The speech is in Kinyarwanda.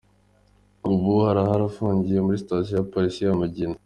Ubu arahari afungiye kuri station ya Polisi ya Mugina.